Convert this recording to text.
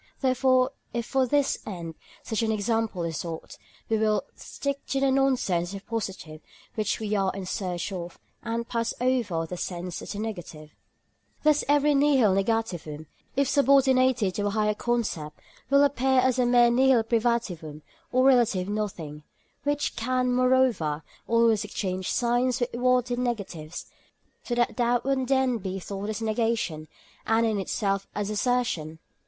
Therefore if for this end such an example is sought, we will stick to the nonsense as the positive which we are in search of, and pass over the sense as the negative. Thus every nihil negativum, if subordinated to a higher concept, will appear as a mere nihil privativum or relative nothing, which can, moreover, always exchange signs with what it negatives, so that that would then be thought as negation, and it itself as assertion.